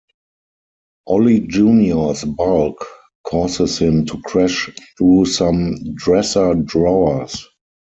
Ollie Junior's bulk causes him to crash through some dresser drawers.